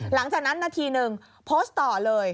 หลังจากนั้นนาที๑โพสต์ต่อเลย